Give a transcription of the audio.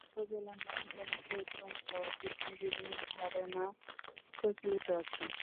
এ উপজেলার নাম কেন ফরিদগঞ্জ হওয়ার পেছনে বিভিন্ন ধারণা প্রচলিত আছে।